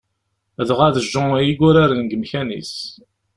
Dɣa d Jean i yuraren deg umkan-is.